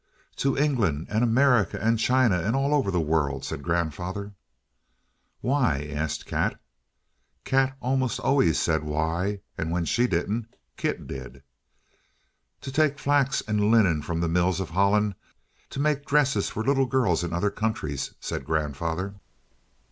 "To England, and America, and China, and all over the world," said grandfather. "Why?" asked Kat. Kat almost always said "Why?" and when she didn't, Kit did. "To take flax and linen from the mills of Holland to make dresses for little girls in other countries," said grandfather.